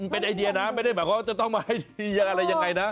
เป็นไอเดียนะไม่ได้หมายถึงว่าจะต้องมาให้ดีอย่างไร